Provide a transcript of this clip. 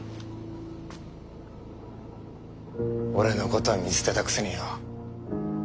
俺のことは見捨てたくせによ。